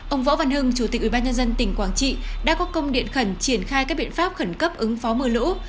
ông võ văn hưng chủ tịch ubnd tỉnh quảng trị đã có công điện khẩn triển khai các biện pháp khẩn cấp ứng phó mưa lũ